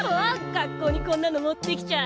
学校にこんなの持ってきちゃ。